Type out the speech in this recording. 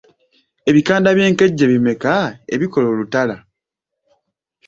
Ebikanda by’enkejje bimeka ebikola olutala?